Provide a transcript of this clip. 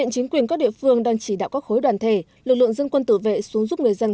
chính quyền các địa phương đang chỉ đạo các khối đoàn thể lực lượng dân quân tự vệ xuống giúp người dân